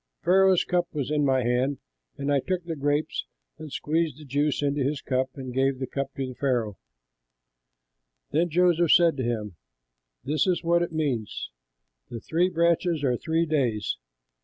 Pharaoh's cup was in my hand, and I took the grapes and squeezed the juice into his cup and gave the cup to Pharaoh." Then Joseph said to him, "This is what it means: the three branches are three days.